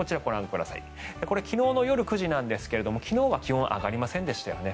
これ、昨日の夜９時なんですが昨日は気温が上がりませんでしたよね。